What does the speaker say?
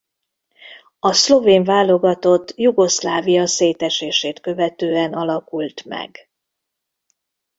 A szlovén válogatott Jugoszlávia szétesését követően alakult meg.